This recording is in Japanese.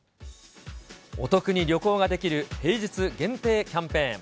お得に旅行ができる平日限定キャンペーン。